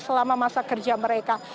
selama masa kerja mereka